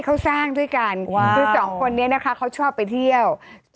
เขาสร้างด้วยกันคือสองคนนี้นะคะเขาชอบไปเที่ยว